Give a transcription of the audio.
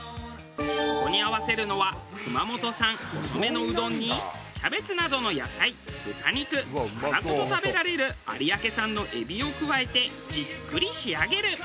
そこに合わせるのは熊本産細めのうどんにキャベツなどの野菜豚肉殻ごと食べられる有明産のエビを加えてじっくり仕上げる。